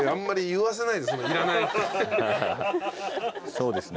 そうですね。